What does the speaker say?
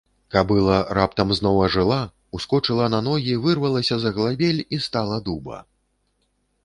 Кабыла раптам зноў ажыла, ускочыла на ногі, вырвалася з аглабель і стала дуба.